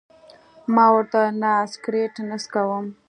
ما ورته وویل: نه، سګرېټ نه څکوم.